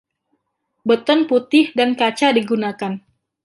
Beton putih dan kaca digunakan.